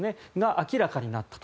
明らかになったと。